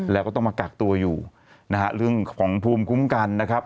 แล้วก็ต้องมากักตัวอยู่นะฮะเรื่องของภูมิคุ้มกันนะครับ